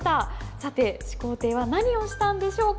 さて始皇帝は何をしたんでしょうか？